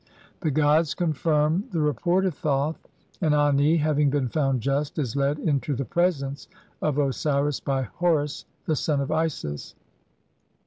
The gods confirm the report of Thoth, and Ani, having been found just, is led into the presence of Osiris by "Horus the son of Isis".